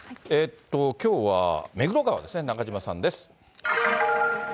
きょうは目黒川ですね、中島さんです。